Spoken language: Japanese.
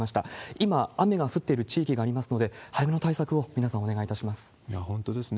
今、雨が降っている地域がありますので、早めの対策を皆さんお願いいいや、本当ですね。